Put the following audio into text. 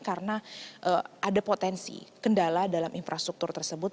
karena ada potensi kendala dalam infrastruktur tersebut